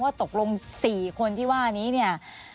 ตกลง๔คนที่ว่านี้เนี่ย